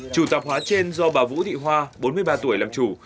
chủ tạp hóa trên do bà vũ thị hoa bốn mươi ba tuổi làm chủ